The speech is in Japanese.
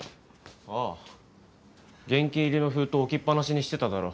ああ現金入りの封筒置きっ放しにしてただろ？